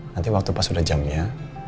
nanti waktu pas udah jamnya